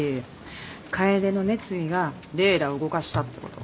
楓の熱意がレイラを動かしたってこと。